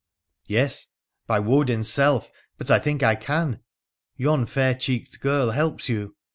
' Yes, by Wodin's self ! but I think I can. Yon fair cheeked girl helps you.